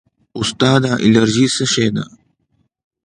استاده الرژي څه شی ده